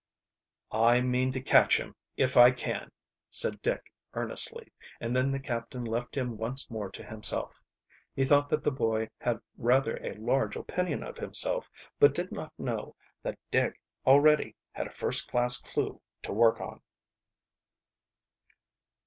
"I mean to catch him if I can," said Dick earnestly, and then the captain left him once more to himself. He thought that the boy had rather a large opinion of himself, but did not know that Dick already had a first class clew to work on.